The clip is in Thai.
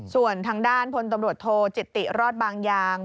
ส่วนทางด้านพลตำรวจโทจิตติรอดบางยาง